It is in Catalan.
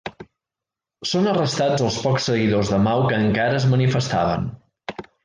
Són arrestats els pocs seguidors de Mau que encara es manifestaven.